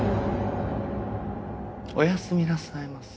おやすみなさいませ。